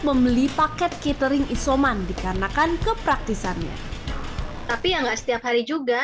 membeli paket catering isoman dikarenakan kepraktisannya tapi ya enggak setiap hari juga